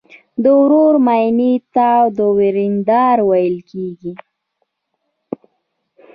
د ورور ماینې ته وریندار ویل کیږي.